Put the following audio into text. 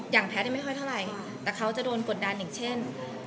อย่างแพทย์ไม่ค่อยเท่าไรแต่เขาจะโดนปวดดันอีกเช่น